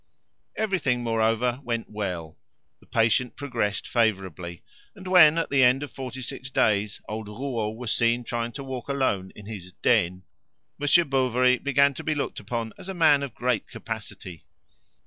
Everything, moreover, went well; the patient progressed favourably; and when, at the end of forty six days, old Rouault was seen trying to walk alone in his "den," Monsieur Bovary began to be looked upon as a man of great capacity.